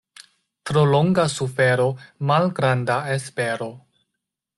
Tro longa sufero — malgranda espero.